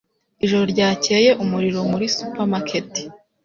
Ijoro ryakeye umuriro muri supermarket.